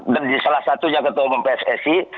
salah satunya ketua umum pssi